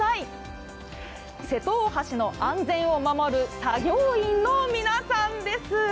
瀬戸大橋の安全を守る作業員の皆さんです。